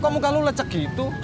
kok muka lu lecek gitu